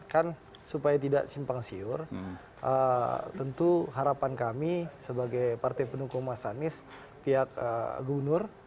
kan supaya tidak simpang siur tentu harapan kami sebagai partai pendukung mas anies pihak gubernur